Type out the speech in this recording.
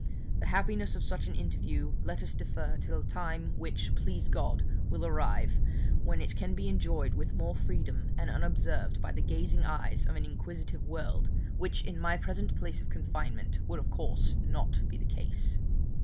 The happiness of such an interview let us defer till a time (which, please God, will arrive) when it can be enjoyed with more freedom, and unobserved by the gazing eyes of an inquisitive world, which in my present place of confinement would of course not be the case.